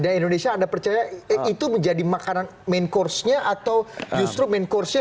di indonesia anda percaya itu menjadi makanan main course nya atau justru main course nya